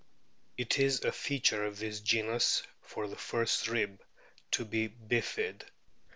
It is a feature of this genus for the first rib to be bifid.